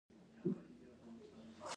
د وینې د کمښت لپاره ممیز وخورئ